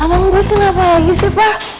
amang gue kenapa lagi sih pak